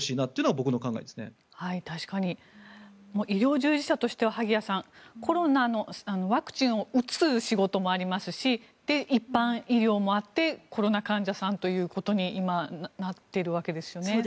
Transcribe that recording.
萩谷さん医療従事者としてはコロナのワクチンを打つ仕事もありますし一般医療もあってコロナ患者さんということに今、なっているわけですよね。